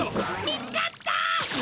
見つかった！